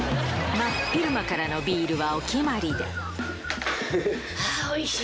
真っ昼間からのビールはお決あー、おいしい！